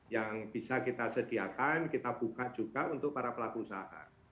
yang bisa kita sediakan kita buka juga untuk para pelaku usaha